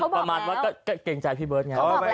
ประมาณว่าก็เกรงใจพี่เบิร์ตไง